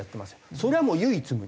それはもう唯一無二。